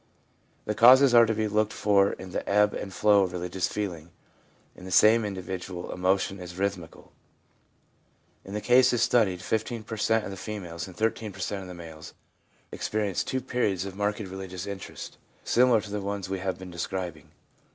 The causes are to be looked for in the ebb and flow of religious feeling ; in the same individual, emotion is rhythmical. In the cases studied, 15 per cent, of the females and 13 per cent, of the males ex perience two periods of marked religious interest, similar 210 THE PSYCHOLOGY OF RELIGION to the ones we have been describing.